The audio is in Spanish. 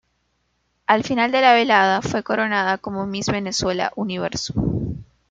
Al final de la velada fue coronada como Miss Venezuela Universo.